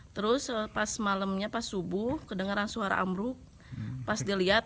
amruk awalnya hujan gede ya terus pas malamnya pas subuh kedengaran suara amruk pas dilihat